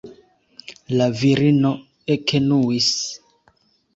La virino ekenuis.